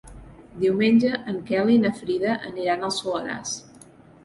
Diumenge en Quel i na Frida aniran al Soleràs.